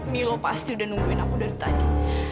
milo pasti udah nungguin aku dari tadi